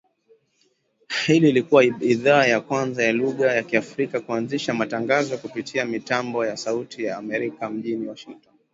Hii ilikua idhaa ya kwanza ya lugha ya Kiafrika kuanzisha matangazo kupitia mitambo ya Sauti ya Amerika mjini Washington